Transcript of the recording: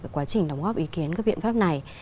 quá trình đóng góp ý kiến các biện pháp này